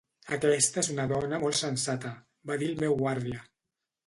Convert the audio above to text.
"Aquesta és una dona molt sensata" -va dir el meu guàrdia.